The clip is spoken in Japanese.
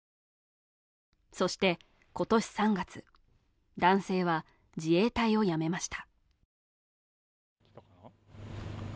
そして今年３月男性は自衛隊を辞めました。